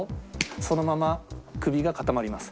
そのまま首が固まります。